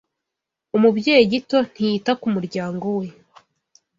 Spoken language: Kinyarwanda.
Umubyeyi gito ntiyita k’ umuryango we